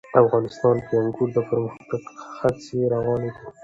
افغانستان کې د انګورو د پرمختګ هڅې روانې دي.